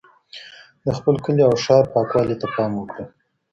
د خپل کلي او ښار پاکوالي ته پام وکړئ.